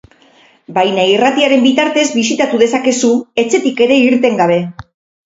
Baina irratiaren bitartez bisitatu dezakezu, etxetik ere irten gabe.